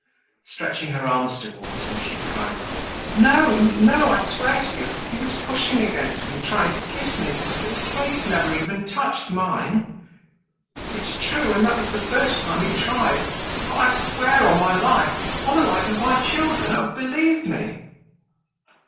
Stretching her arms toward him, she cried: "No, no, I swear to you. He was pushing against me, trying to kiss me, but his face never even touched mine. It's true, and that was the first time he tried. Oh, I swear on my life, on the life of my children, oh, believe me!"